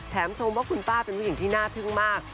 ชมว่าคุณป้าเป็นผู้หญิงที่น่าทึ่งมาก